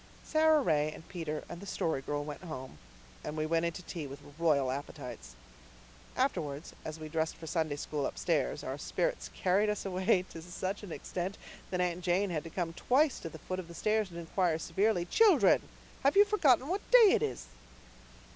Sara Ray and Peter and the Story Girl went home, and we went in to tea with royal appetites. Afterwards, as we dressed for Sunday School upstairs, our spirits carried us away to such an extent that Aunt Janet had to come twice to the foot of the stairs and inquire severely, "Children, have you forgotten what day this is?"